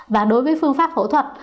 và đối với phương pháp phẫu thuật